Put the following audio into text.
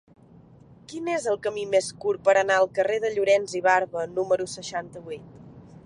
Quin és el camí més curt per anar al carrer de Llorens i Barba número seixanta-vuit?